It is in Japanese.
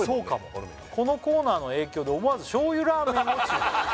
この麺ね「このコーナーの影響で思わず正油ラーメンを注文」